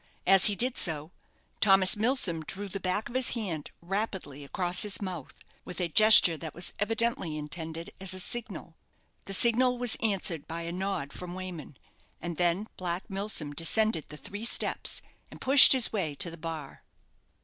As he did so, Thomas Milsom drew the back of his hand rapidly across his mouth, with a gesture that was evidently intended as a signal. The signal was answered by a nod from Wayman, and then Black Milsom descended the three steps, and pushed his way to the bar.